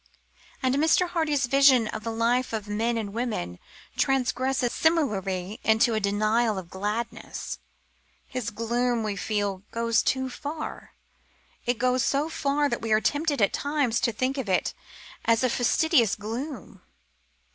And Mr. Hardy's vision of the life of men and women transgresses similarly into a denial of gladness. His gloom, we feel, goes too far. It goes so far that we are tempted at times to think of it as a factitious gloom.